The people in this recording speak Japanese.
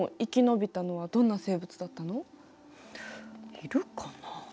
いるかな？